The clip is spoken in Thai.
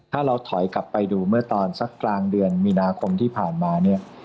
ถ้าเราถอยกลับไปดูเมื่อตอนสักกลางเดือนมีนาคมที่ผ่านมาเนี่ย